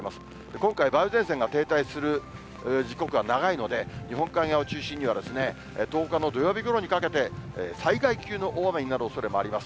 今回、梅雨前線が停滞する時刻が長いので、日本海側を中心に、１０日の土曜日ごろにかけて災害級の大雨になるおそれもあります。